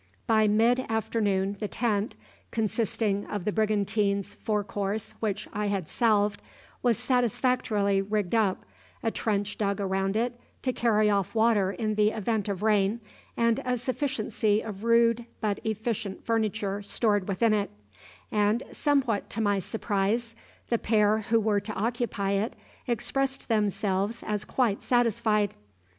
By mid afternoon the tent consisting of the brigantine's fore course, which I had salved was satisfactorily rigged up, a trench dug round it to carry off water in the event of rain, and a sufficiency of rude but efficient furniture stored within it; and, somewhat to my surprise, the pair who were to occupy it expressed themselves as quite satisfied.